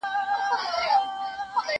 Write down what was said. جواب ورکړه!؟